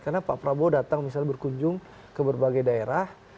karena pak prabowo datang misalnya berkunjung ke berbagai daerah